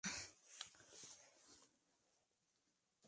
Cuenta con acceso restringido a todo aquel que no sea personal no autorizado.